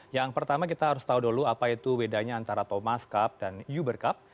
yang pertama kita harus tahu dulu apa itu bedanya antara thomas cup dan uber cup